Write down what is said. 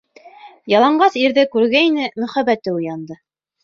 Яланғас ирҙе күргәйне, мөхәббәте уянды.